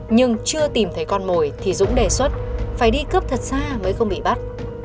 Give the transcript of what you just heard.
nhưng chưa tìm thấy con mồi thì dũng đề xuất phải đi cướp thật xa mới không bị bắt